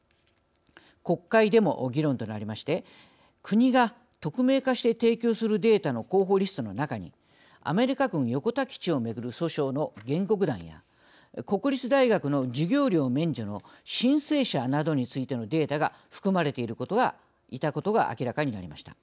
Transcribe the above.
国会でも議論となりまして国が匿名化して提供するデータの候補リストの中にアメリカ軍、横田基地をめぐる訴訟の原告団や国立大学の授業料免除の申請者などについてのデータが含まれていることが明らかになりました。